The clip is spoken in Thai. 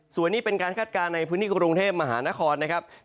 ส่วนนี้เป็นการคาดการณ์ในพื้นที่กรุงเทพมหานครนะครับ